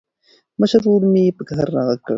مشر ورور مې په قهر راغږ کړ.